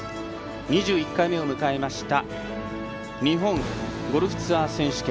２１回目を迎えました日本ゴルフツアー選手権。